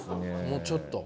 もうちょっと。